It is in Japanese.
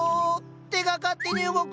手が勝手に動く。